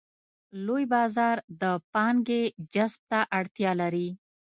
لوی بازار د پانګې جذب ته اړتیا لري.